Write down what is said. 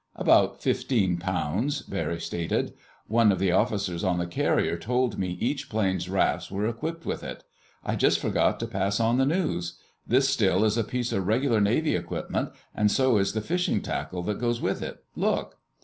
"About fifteen pounds," Barry stated. "One of the officers on the carrier told me each plane's rafts were equipped with it. I just forgot to pass on the news. This still is a piece of regular Navy equipment, and so is the fishing tackle that goes with it.... Look!"